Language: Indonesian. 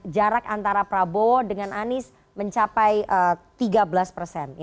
jarak antara prabowo dengan anies mencapai tiga belas persen